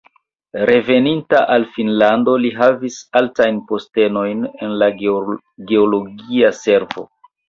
Reveninta al Finnlando li havis altajn postenojn en la geologia servo.